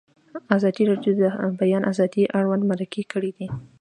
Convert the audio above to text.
ازادي راډیو د د بیان آزادي اړوند مرکې کړي.